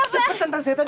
cepetan tak siapa dateng